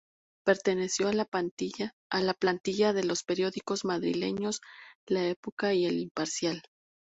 Perteneció a la plantilla de los periódicos madrileños "La Época" y El Imparcial.